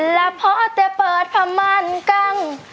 แล้วพ่อแต่เปิดพะมันกัง